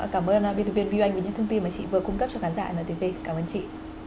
cảm ơn btvn view anh vì những thông tin mà chị vừa cung cấp cho khán giả ntv cảm ơn chị